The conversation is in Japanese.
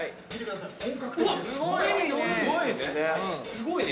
すごいね。